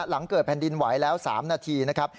หลังเกิดแผ่นดินไหวแล้ว๓นาทีนะครับ